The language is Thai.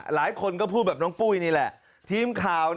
หลายคนก็พูดแบบน้องปุ้ยนี่แหละทีมข่าว